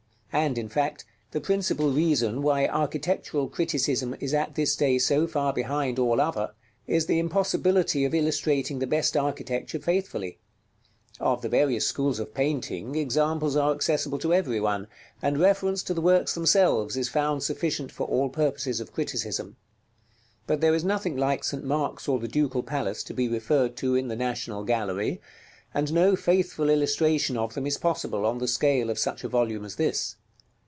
And, in fact, the principal reason why architectural criticism is at this day so far behind all other, is the impossibility of illustrating the best architecture faithfully. Of the various schools of painting, examples are accessible to every one, and reference to the works themselves is found sufficient for all purposes of criticism; but there is nothing like St. Mark's or the Ducal Palace to be referred to in the National Gallery, and no faithful illustration of them is possible on the scale of such a volume as this.